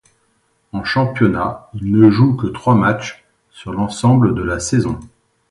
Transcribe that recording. En championnat, il ne joue que trois matches sur l'ensemble de la saison.